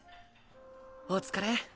お疲れ。